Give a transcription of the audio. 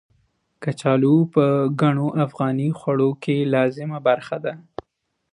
کچالو په ګڼو افغاني خوړو کې لازمي برخه ده.